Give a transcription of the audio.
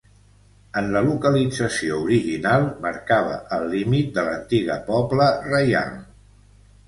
En la localització original marcava el límit de l'antiga pobla reial.